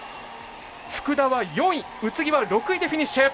福田は４位、宇津木は６位でフィニッシュ。